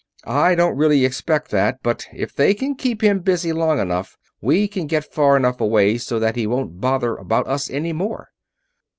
I don't really expect that, but if they can keep him busy long enough, we can get far enough away so that he won't bother about us any more."